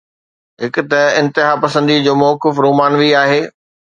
هڪ ته انتها پسنديءَ جو موقف رومانوي آهي.